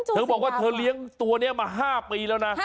เธอบอกว่าเธอเลี้ยงตัวนี้มา๕ปีแล้วนะ